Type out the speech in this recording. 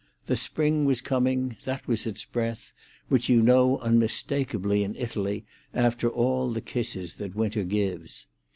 The spring was coming; that was its breath, which you know unmistakably in Italy after all the kisses that winter gives.